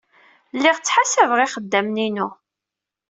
Lliɣ ttḥasabeɣ ixeddamen-inu.